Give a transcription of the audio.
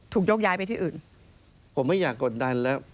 ยกย้ายไปที่อื่นผมไม่อยากกดดันแล้ว